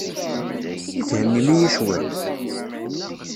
I thennim-iyi cwiṭ?